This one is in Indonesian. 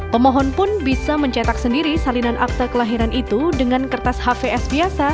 pemohon pun bisa mencetak sendiri salinan akta kelahiran itu dengan kertas hvs biasa